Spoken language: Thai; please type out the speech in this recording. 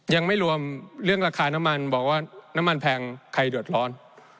ยังไม่รวมเรื่องราคาน้ำมันบอกว่าน้ำมันแพงใครเดือดร้อน